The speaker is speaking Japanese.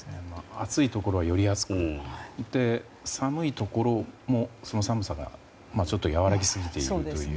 暑いところはより暑く寒いところも寒さが和らぎすぎているという。